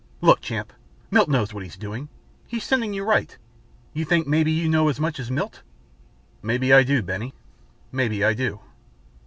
"Look, Champ, Milt knows what he's doing. He's sending you right. You think maybe you know as much as Milt?" "Maybe I just do, Benny. Maybe I do."